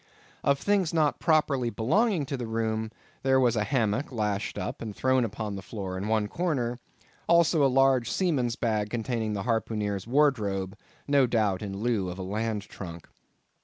Of things not properly belonging to the room, there was a hammock lashed up, and thrown upon the floor in one corner; also a large seaman's bag, containing the harpooneer's wardrobe, no doubt in lieu of a land trunk.